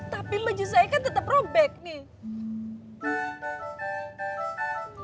tapi baju saya kan tetap robek nih